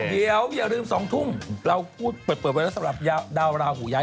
เดี๋ยวอย่าลืม๒ทุ่มเราพูดเปิดไว้แล้วสำหรับดาวราหูย้าย